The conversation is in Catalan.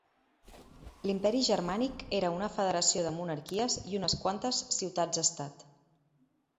L'Imperi Germànic era una federació de monarquies i unes quantes ciutats-estat.